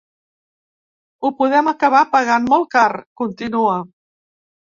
Ho podem acabar pagant molt car, continua.